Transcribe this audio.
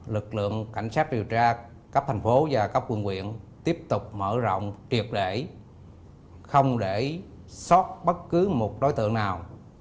lực lượng cảnh sát điều tra cấp thành phố và các quyền quyện tiếp tục mở rộng triệt để không để sót bất cứ một đối tượng nào